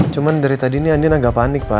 cuman dari tadi nih andin agak panik pak